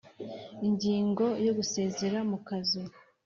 Ingingo yo gusezera mu kazi